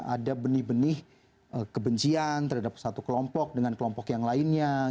ada benih benih kebencian terhadap satu kelompok dengan kelompok yang lainnya